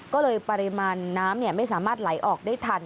ก็เลยปริมาณน้ำไม่สามารถไหลออกได้ทัน